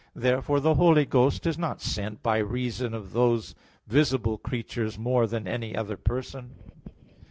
Therefore the Holy Ghost is not sent by reason of those visible creatures more than any other person.